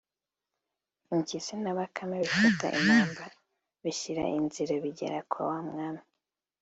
impyisi na Bakame bifata impamba, bishyira nzira bigera kwa wa mwami